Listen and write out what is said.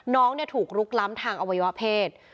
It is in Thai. น้องถูกลุกล้ำทางอวัยวะเพศ